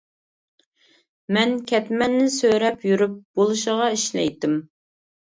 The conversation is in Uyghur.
مەن كەتمەننى سۆرەپ يۈرۈپ بولۇشىغا ئىشلەيتتىم.